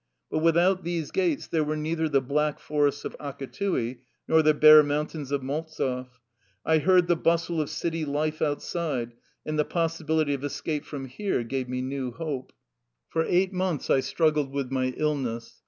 But without these gates there were neither the black forests of Akatui nor the bare mountains of Maltzev: I heard the bustle of city life outside, and the possibility of escape from here gave me new hope. For eight months I struggled with my illness.